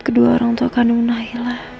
kedua orang tua kanun nailah